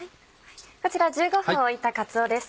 こちら１５分置いたかつおです。